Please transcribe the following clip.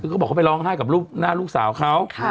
คือเขาบอกเขาไปร้องไห้กับหน้าลูกสาวเขา